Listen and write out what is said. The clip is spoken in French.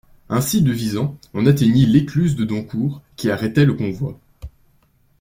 Ainsi devisant, on atteignit l'écluse de Doncourt, qui arrêtait le convoi.